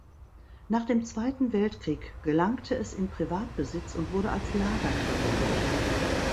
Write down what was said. Nach dem Zweiten Weltkrieg gelangte es in Privatbesitz und wurde als Lager verwendet.